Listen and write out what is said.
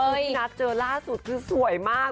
ที่นัดเจอล่าสุดคือสวยมาก